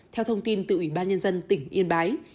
theo thông tin từ ủy ban nhân dân tỉnh yên bái